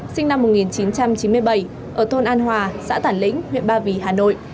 sinh năm một nghìn chín trăm chín mươi bảy ở thôn an hòa xã tản lĩnh huyện ba vì hà nội